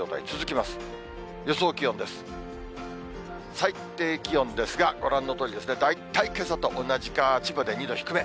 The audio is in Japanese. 最低気温ですが、ご覧のとおりですね、大体けさと同じか、千葉で２度低め。